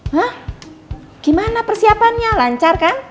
hah gimana persiapannya lancar kan